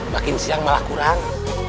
bakin siang malah kurang